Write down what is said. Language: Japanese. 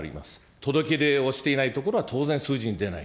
届け出をしていない所は、当然数字に出ない。